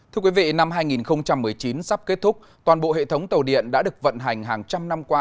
thưa quý vị năm hai nghìn một mươi chín sắp kết thúc toàn bộ hệ thống tàu điện đã được vận hành hàng trăm năm qua